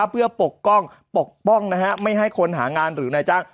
เพื่อปกป้องปกป้องไม่ให้คนหางานหรือนายจ้าง